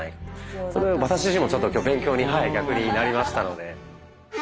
それは私自身もちょっと今日勉強に逆になりましたので。